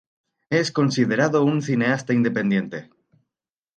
Es considerado un cineasta independiente.